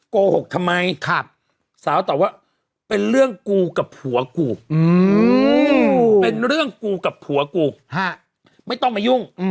โกหกทำไมสาวตอบว่าเป็นเรื่องกูกับผัวกูเป็นเรื่องกูกับผัวกูไม่ต้องมายุ่ง